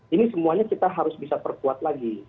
ini semuanya kita harus bisa perkuat lagi